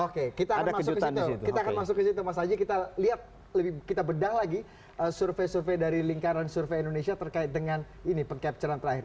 oke kita akan masuk ke situ mas aji kita bedah lagi survei survei dari lingkaran survei indonesia terkait dengan pengcapture an terakhir